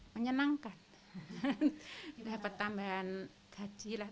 menyenangkan dapat tambahan gaji lah